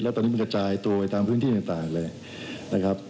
แล้วตอนนี้มันกระจายตัวไปตามพื้นที่ต่างเลยนะครับ